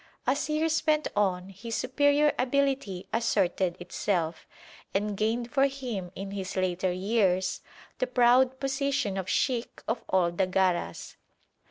As years went on his superior ability asserted itself, and gained for him in his later years the proud position of sheikh of all the Garas.